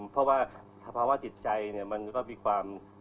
เพราะว่าชีวิตใจมันก็มีความ